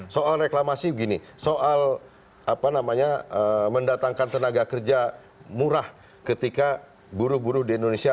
soal reklamasi begini soal apa namanya mendatangkan tenaga kerja murah ketika buruh buruh di indonesia